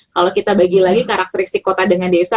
kalau kita bagi lagi karakteristik kota dengan desa